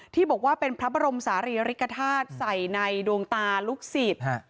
ที่บอกว่าเป็นพระบรมศาลีริกฐาตุใส่ในดวงตาลูกศิษย์